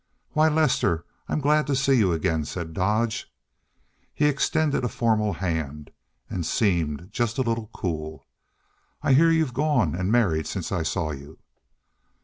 "Why, Lester, I'm glad to see you again," said Dodge. He extended a formal hand, and seemed just a little cool. "I hear you've gone and married since I saw you."